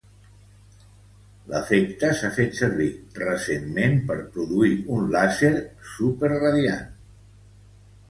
L'efecte s'ha fet servir recentment per produir un làser superradiant.